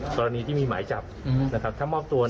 กรณีที่มีหมายจับถ้ามอบตัว